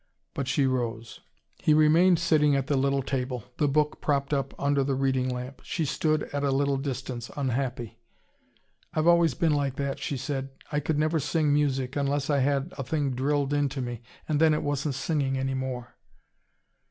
But she rose. He remained sitting at the little table, the book propped up under the reading lamp. She stood at a little distance, unhappy. "I've always been like that," she said. "I could never sing music, unless I had a thing drilled into me, and then it wasn't singing any more."